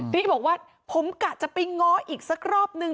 บอกว่าผมกะจะไปง้ออีกสักรอบนึง